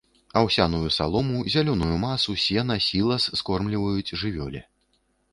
Аўсяную салому, зялёную масу, сена, сілас скормліваюць жывёле.